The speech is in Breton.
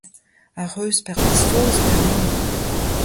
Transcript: Ar c'hreuzpervezfo zo ganin !